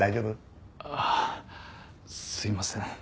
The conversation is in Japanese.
ああすいません。